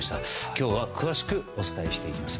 今日は詳しくお伝えしていきます。